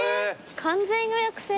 完全予約制？